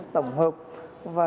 tổng hợp và